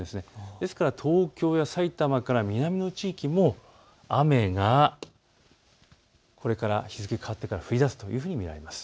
ですから東京や埼玉から南の地域も雨がこれから日付が変わってから降りだすと見られます。